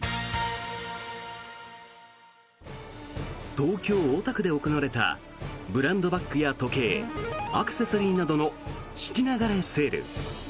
東京・大田区で行われたブランドバッグや時計アクセサリーなどの質流れセール。